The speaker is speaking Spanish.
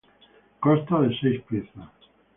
Consta de seis piezas.